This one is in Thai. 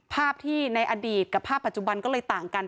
ภาพที่ในอดีตกับภาพปัจจุบันก็เลยต่างกัน